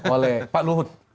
oleh pak luhut